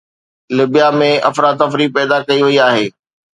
ليبيا ۾ افراتفري پيدا ڪئي وئي آهي.